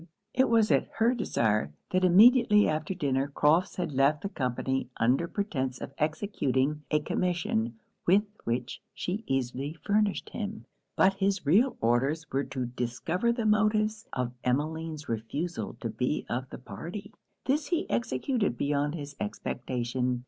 It was at her desire, that immediately after dinner Crofts had left the company under pretence of executing a commission with which she easily furnished him; but his real orders were to discover the motives of Emmeline's refusal to be of the party. This he executed beyond his expectation.